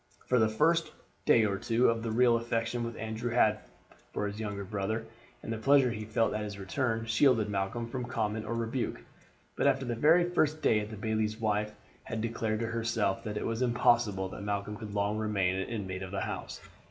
For the first day or two the real affection which Andrew had for his younger brother, and the pleasure he felt at his return, shielded Malcolm from comment or rebuke; but after the very first day the bailie's wife had declared to herself that it was impossible that Malcolm could long remain an inmate of the house.